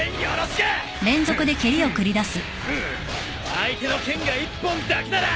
相手の剣が１本だけなら。